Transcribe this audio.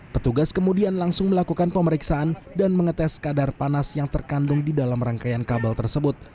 petugas kemudian langsung melakukan pemeriksaan dan mengetes kadar panas yang terkandung di dalam rangkaian kabel tersebut